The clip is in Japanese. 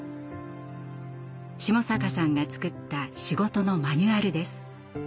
下坂さんが作った仕事のマニュアルです。